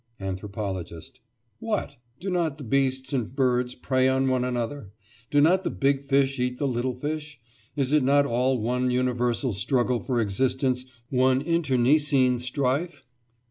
ANTHROPOLOGIST: What? Do not the beasts and birds prey on one another? Do not the big fish eat the little fish? Is it not all one universal struggle for existence, one internecine strife?